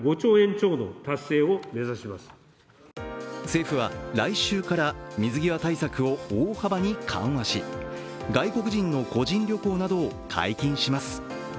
政府は来週から水際対策を大幅に緩和し、外国人の個人旅行などを解禁します。